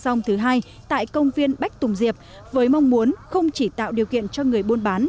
rong thứ hai tại công viên bách tùng diệp với mong muốn không chỉ tạo điều kiện cho người buôn bán